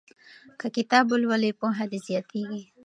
که کتاب ولولې پوهه دې زیاتیږي.